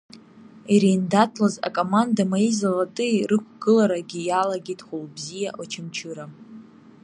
Иреиндаҭлоз акоманда Мои золотые рықәгыларагьы иалагеит Хәылбзиа, Очамчыра!